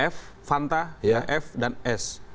f fanta f dan s